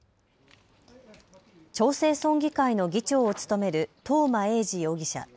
長生村議会の議長を務める東間永次容疑者。